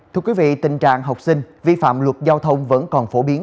thưa quý vị tình trạng học sinh vi phạm luật giao thông vẫn còn phổ biến